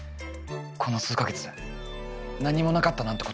この数か月何もなかったなんてことありません。